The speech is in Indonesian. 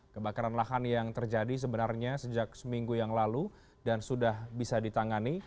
kebakaran lahan yang terjadi sebenarnya sejak seminggu yang lalu dan sudah bisa ditangani